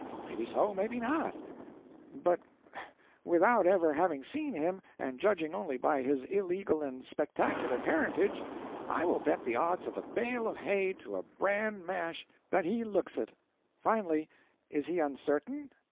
Maybe so, maybe not; but without ever having seen him, and judging only by his illegal and spectacular parentage, I will bet the odds of a bale of hay to a bran mash that he looks it. Finally, is he uncertain?